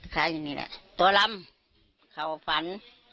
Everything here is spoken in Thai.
คล้ายอย่างนี้แหละตัวลำเขาฝัน